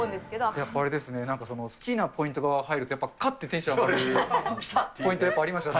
やっぱあれですね、好きなポイントが入ると、やっぱかってテンション上がるポイントありますね。